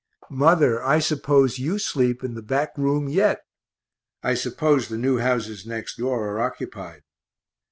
Mother, I suppose you sleep in the back room yet I suppose the new houses next door are occupied.